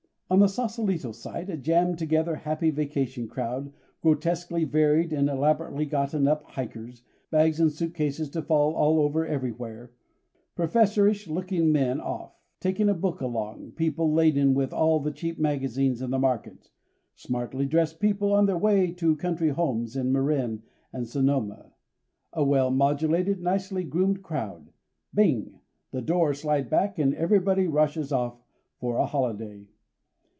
On the Sausalito side, a jammed together happy vacation crowd, grotesquely varied and elaborately gotten up hikers, bags and suitcases to fall all over everywhere, professorish looking men off, "taking a book along," people laden with all the cheap magazines in the market, smartly dressed people on their way to country homes in Marin and Sonoma, a well modulated, nicely groomed crowd bing, the doors slide back and everybody rushes off for a holiday.